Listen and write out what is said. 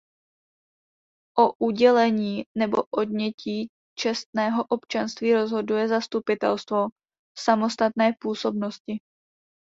O udělení nebo odnětí čestného občanství rozhoduje zastupitelstvo v samostatné působnosti.